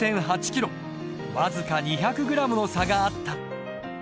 僅か２００ｇの差があった。